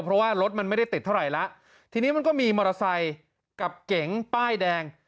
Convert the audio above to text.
เพราะว่ารถมันไม่ได้ติดเท่าไหร่แล้วทีนี้มันก็มีมอเตอร์ไซค์กับเก๋งป้ายแดง